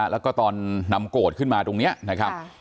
แล้วก็ตอนนำโกรธขึ้นมาตรงนี้นะครับ